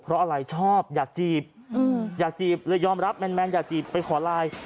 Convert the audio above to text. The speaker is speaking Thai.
เพราะอะไรชอบอยากจีบอยากจีบเลยยอมรับแมนอยากจีบไปขอไลน์